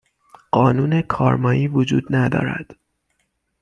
قانون کارمایی وجود ندارد